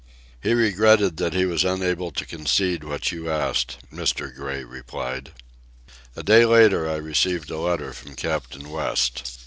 "He regretted that he was unable to concede what you asked," Mr. Gray replied. A day later I received a letter from Captain West.